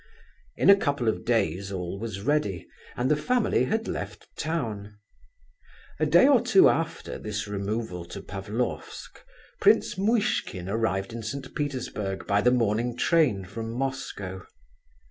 In a couple of days all was ready, and the family had left town. A day or two after this removal to Pavlofsk, Prince Muishkin arrived in St. Petersburg by the morning train from Moscow.